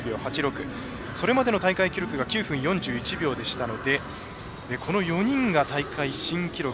それまでの大会記録が９分４１秒でしたのでこの４人が大会新記録。